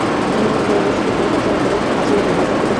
নিষ্কলুষচিত্ত চন্দ্রমাধবের কাছে ইহার কোনো উত্তর ছিল না।